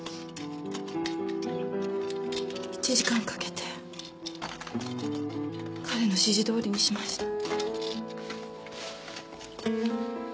１時間かけて彼の指示どおりにしました。